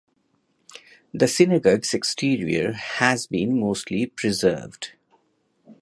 The synagogue’s exterior has been mostly preserved.